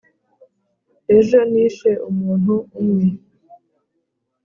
ejo nishe umuntu umwe